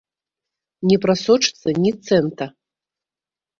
Не прасочыцца ні цэнта!